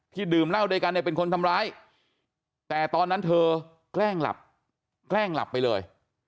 ที่ดื่มเล่าด้วยกันเป็นคนทำร้ายแต่ตอนนั้นเธอแกล้งหลับไปเลย